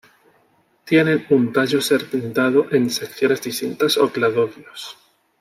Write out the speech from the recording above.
Tienen un tallo segmentado en secciones distintas o cladodios.